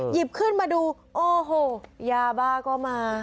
หยิบขึ้นมาดูโอ้โหยาบ้าก็มา